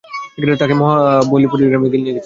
তাকে মহাবলিপুরামে নিয়ে গেছে।